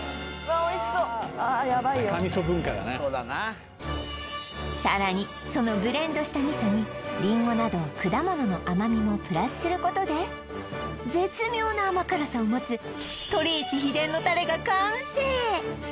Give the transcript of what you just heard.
わっおいしそうあっヤバいよそうだなさらにそのブレンドした味噌にりんごなど果物の甘みもプラスすることで絶妙な甘辛さを持つとりいち秘伝のタレが完成